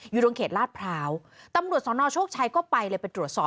อยู่ตรงเขตลาดพร้าวตำรวจสนโชคชัยก็ไปเลยไปตรวจสอบ